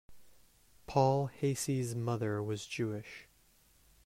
Paul Heyse's mother was Jewish.